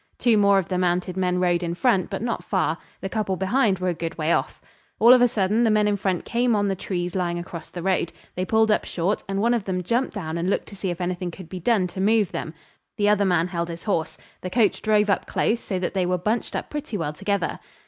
Two more of the mounted men rode in front, but not far. The couple behind were a good way off. All of a sudden the men in front came on the trees lying across the road. They pulled up short, and one of them jumped down and looked to see if anything could be done to move them. The other man held his horse. The coach drove up close, so that they were bunched up pretty well together.